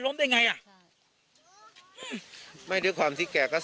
สำหรับพิพัศทีแทนกล้าง